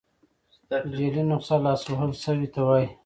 جعلي نسخه لاس وهل سوي ته وايي.